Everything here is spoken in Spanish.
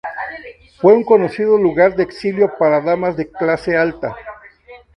Fue un conocido lugar de exilio para damas de clase alta.